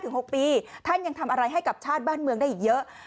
๖ปีท่านยังทำอะไรให้กับชาติบ้านเมืองได้อีกเยอะ